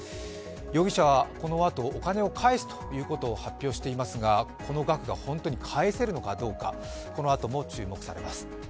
容疑者はこのあとお金を返すということを発表していますがこの額が本当に返せるのかどうか、このあとも注目されます。